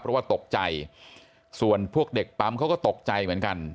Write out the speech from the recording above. เพราะว่าตกใจส่วนพวกเด็กปั๊มเขาก็ตกใจเหมือนกัน